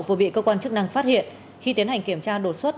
vừa bị cơ quan chức năng phát hiện khi tiến hành kiểm tra đột xuất